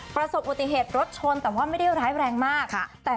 ประสบโดยเกตรสชนแต่ไม่ได้ร้ายแรงมากได้แต่